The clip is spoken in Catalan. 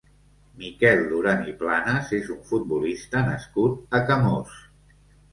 Miquel Duran i Planas és un futbolista nascut a Camós.